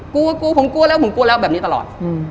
กลัวผมกลัวแล้วผมกลัวแล้วแบบนี้ตลอด